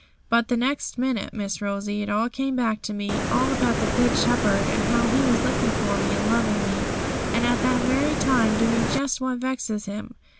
But the next minute, Miss Rosie, it all came back to me all about the Good Shepherd, and how He was looking for me and loving me, and I at that very time doing just what vexes Him.